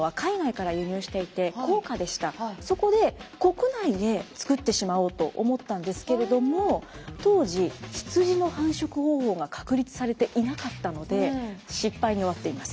当時このそこで国内で作ってしまおうと思ったんですけれども当時羊の繁殖方法が確立されていなかったので失敗に終わっています。